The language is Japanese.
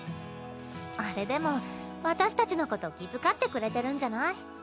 あれでも私たちのこと気遣ってくれてるんじゃない？